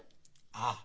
ああ。